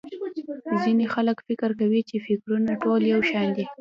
ځينې خلک فکر کوي چې٫ فکرونه ټول يو شان دي.